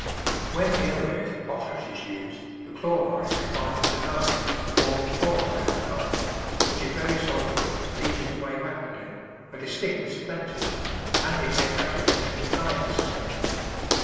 When muriate of potash is used the chlorides combine with the lime, forming chloride of lime, which is very soluble and leaches away rapidly, a distinct disadvantage, and it makes applications of lime necessary.